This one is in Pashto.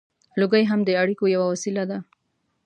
• لوګی هم د اړیکو یوه وسیله وه.